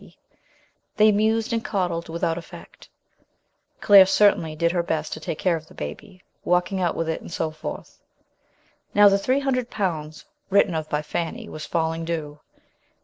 B.), "they mused and coddled" without effect, Claire certainly did her best to take care of the baby, walking out with it, and so forth. Now the three hundred pounds written of by Fanny was falling due.